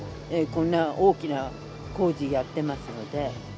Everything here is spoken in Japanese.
こんな大きな工事やってますので。